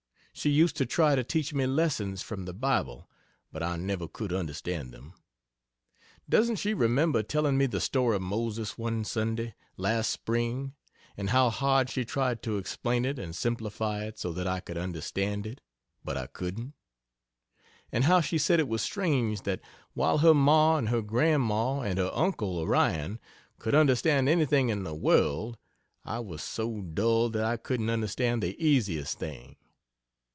She used to try to teach me lessons from the Bible, but I never could understand them. Doesn't she remember telling me the story of Moses, one Sunday, last Spring, and how hard she tried to explain it and simplify it so that I could understand it but I couldn't? And how she said it was strange that while her ma and her grandma and her uncle Orion could understand anything in the world, I was so dull that I couldn't understand the "ea siest thing?"